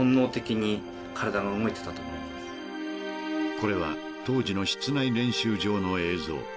［これは当時の室内練習場の映像］